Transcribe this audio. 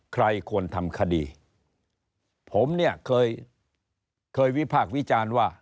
ใครควรทำคดีผมเนี่ยเคยเคยวิพากษ์วิจารณ์ว่า